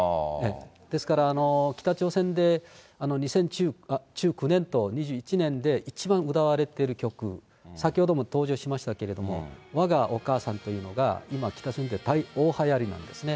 ですから、北朝鮮で、２０１９年と２１年で一番歌われている曲、先ほども登場しましたけれども、わがお母さんというのが、今、北朝鮮で大はやりなんですね。